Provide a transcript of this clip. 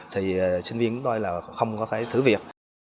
thì sinh viên